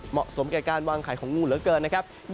เหมาะสมกับการวางไข่ของงูเหลือเกินนะครับ